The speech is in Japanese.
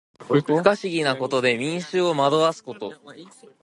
不可思議なことで民衆を惑わすこと。